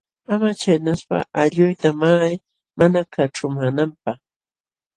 Ama chaynaspa allquyta maqay mana kaćhumaananpaq.